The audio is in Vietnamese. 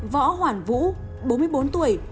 võ hoản vũ bốn mươi bốn tuổi